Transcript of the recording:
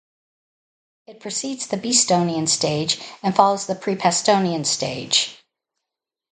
It precedes the Beestonian Stage and follows the Pre-Pastonian Stage.